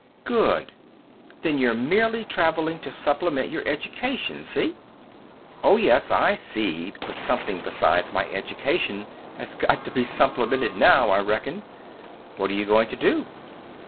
"Good! Then you're merely travelling to supplement your education, see?" "Oh, yes, I see. But something besides my education has got to be supplemented now, I reckon." "What are you going to do?"